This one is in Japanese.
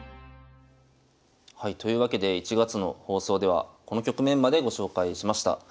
はいというわけで１月の放送ではこの局面までご紹介しました。